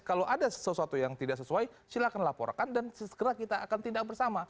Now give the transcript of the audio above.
kalau ada sesuatu yang tidak sesuai silahkan laporkan dan segera kita akan tindak bersama